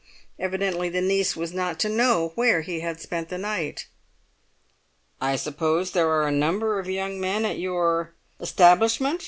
Evidently the niece was not to know where he had spent the night. "I suppose there are a number of young men at your—establishment?"